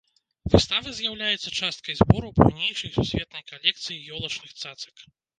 Выстава з'яўляецца часткай збору буйнейшай сусветнай калекцыі ёлачных цацак.